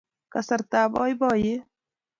kasartab poipoiyet